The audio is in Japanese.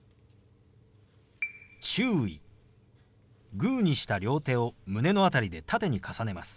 グーにした両手を胸の辺りで縦に重ねます。